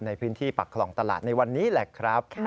ในพื้นที่ปากคลองตลาดในวันนี้แหละครับ